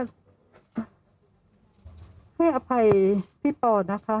ให้อภัยพี่ปอนะคะ